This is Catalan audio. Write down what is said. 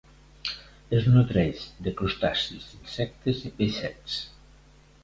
Es nodreix de crustacis, insectes i peixets.